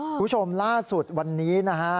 คุณผู้ชมล่าสุดวันนี้นะฮะ